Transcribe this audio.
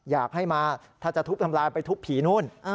อยากให้มาถ้าจะทุบทำลายไปทุบผีนู่น